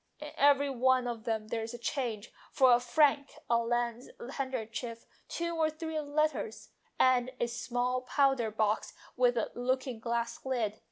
In every one of them there is change for ,a franc, a lace handkerchief, two or three letters, and a small powder box with a look ing glass lid.